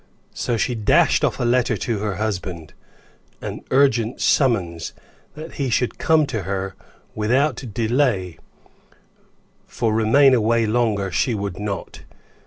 So she dashed off a letter to her husband; an urgent summons that he should come to her without delay for remain away longer she would not.